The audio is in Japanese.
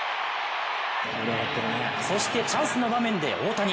そしてチャンスの場面で大谷。